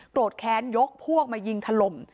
แค้นยกพวกมายิงถล่ม